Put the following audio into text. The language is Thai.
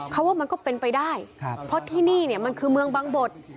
เขาว่ามันก็เป็นไปได้เพราะที่นี่เนี่ยมันคือเมืองบางบด